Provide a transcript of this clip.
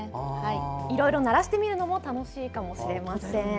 いろいろ鳴らしてみるのも楽しいかもしれません。